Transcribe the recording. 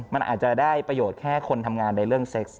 มันอาจจะได้ประโยชน์แค่คนทำงานในเรื่องเซ็กซ์